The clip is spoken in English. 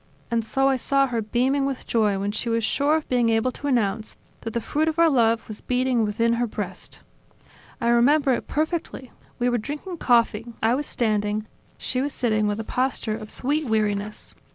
And so I saw her beaming with joy when she was sure of being able to announce that the fruit of our love was beating within her breast. I remember it perfectly: we were drinking coffee, I was standing, she was sitting with a posture of sweet weariness.